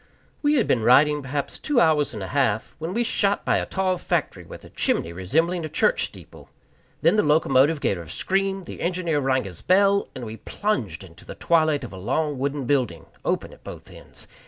We had been riding perhaps two hours and a half, when we shot by a tall factory with a chimney resembling a church steeple; then the locomotive gave a scream, the engineer rang his bell, and we plunged into the twilight of a long wooden building, open at both ends.